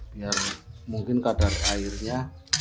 biar mungkin kadar airnya